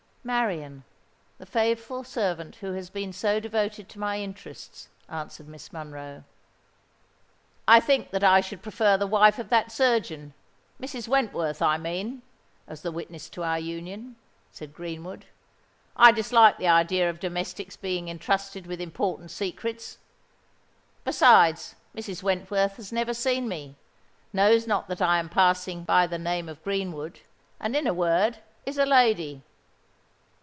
"Marian—the faithful servant who has been so devoted to my interests," answered Miss Monroe. "I think that I should prefer the wife of that surgeon—Mrs. Wentworth, I mean—as the witness to our union," said Greenwood. "I dislike the idea of domestics being entrusted with important secrets. Besides, Mrs. Wentworth has never seen me—knows not that I am passing by the name of Greenwood—and, in a word, is a lady."